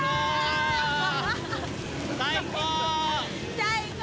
最高。